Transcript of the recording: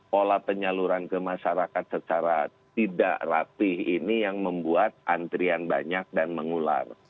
pola penyaluran ke masyarakat secara tidak rapih ini yang membuat antrian banyak dan mengular